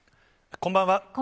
こんばんは。